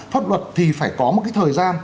pháp luật thì phải có một cái thời gian